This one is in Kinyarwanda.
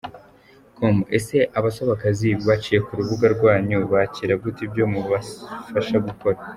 com : Ese abasaba akazi baciye ku rubuga rwanyu bakira gute ibyo mubafasha gukora ?.